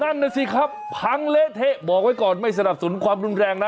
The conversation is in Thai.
นั่นน่ะสิครับพังเละเทะบอกไว้ก่อนไม่สนับสนุนความรุนแรงนะ